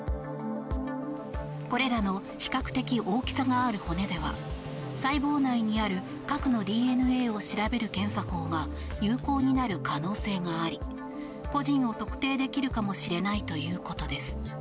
これらの比較的大きさがある骨では、細胞内にある核のＤＮＡを調べる検査法が有効になる可能性があり個人を特定できるかもしれないということです。